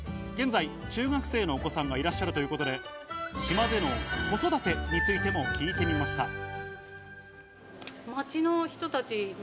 現在、中学生のお子さんがいらっしゃるということで、島での子育てについても聞いてみました。